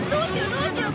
どうしよう！？